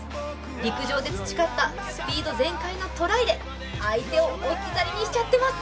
陸上で培ったスピード全開のトライで相手を置き去りにしちゃっています。